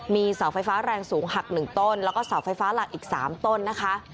มีเสาไฟฟ้าแรงสูงหัก๑ต้นแล้วก็เสาไฟฟ้าหลักอีก๓ต้นนะคะ